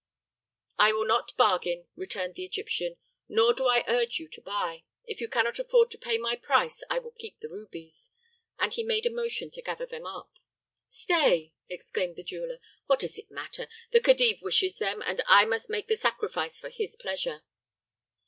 "I will not bargain," returned the Egyptian; "nor do I urge you to buy. If you cannot afford to pay my price I will keep the rubies," and he made a motion to gather them up. "Stay!" exclaimed the jeweler. "What does it matter? The Khedive wishes them, and I must make the sacrifice for his pleasure."